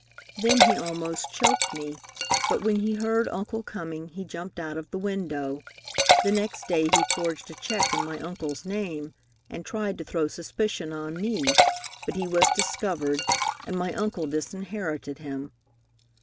Then he almost choked me, but when he heard Uncle coming he jumped out of the window. The next day he forged a check in my uncle's name, and tried to throw suspicion on me, but he was discovered, and my uncle disinherited him.